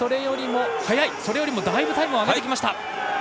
それよりもだいぶタイムを上げてきました。